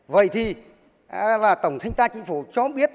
vậy thì là tổng thánh ca chính phủ cho biết